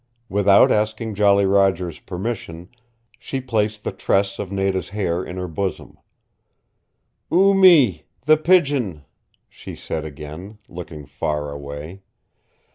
Without asking Jolly Roger's permission she placed the tress of Nada's hair in her bosom. "Oo Mee, the Pigeon," she said again, looking far away.